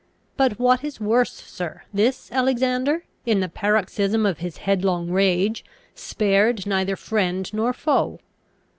But what is worse, sir, this Alexander, in the paroxysm of his headlong rage, spared neither friend nor foe.